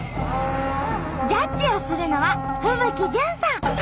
ジャッジをするのは風吹ジュンさん。